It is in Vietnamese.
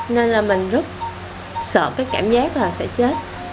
nên là mình rất sợ cái cảm giác là sẽ chết